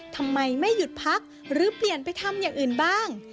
ทำไมไม่หยุดพักหรือเปลี่ยนไปทำอย่างอื่นบ้าง